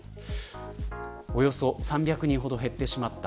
およそ３００人ほど減ってしまった。